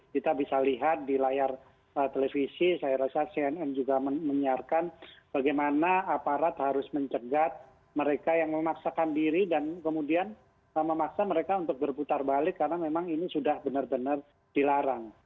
kita bisa lihat di layar televisi saya rasa cnn juga menyiarkan bagaimana aparat harus mencegat mereka yang memaksakan diri dan kemudian memaksa mereka untuk berputar balik karena memang ini sudah benar benar dilarang